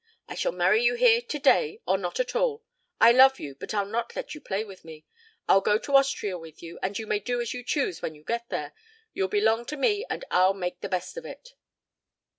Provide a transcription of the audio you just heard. I shall marry you here, today, or not at all. I love you but I'll not let you play with me. I'll go to Austria with you, and you may do as you choose when you get there. You'll belong to me and I'll make the best of it."